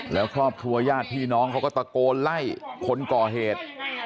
แล้วครอบครัวญาติพี่น้องเขาก็ตะโกนไล่คนก่อเหตุ